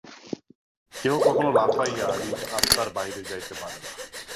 কেহ কখনও লাফাইয়া নিজ আত্মার বাহিরে যাইতে পারে না।